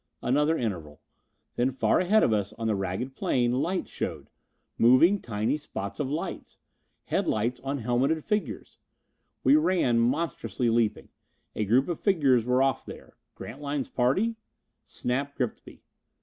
Another interval. Then far ahead of us on the ragged plain, lights showed! Moving tiny spots of light! Headlights on helmeted figures! We ran, monstrously leaping. A group of figures were off there. Grantline's party? Snap gripped me.